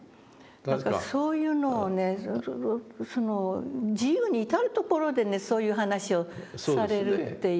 だからそういうのをね自由に至る所でねそういう話をされるっていうのがありましたね。